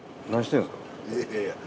いやいや。